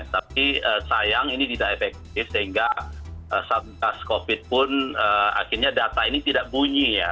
tapi sayang ini tidak efektif sehingga saat covid pun akhirnya data ini tidak bunyi ya